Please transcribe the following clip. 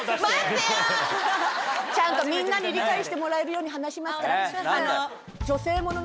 ちゃんとみんなに理解してもらえるように話しますから。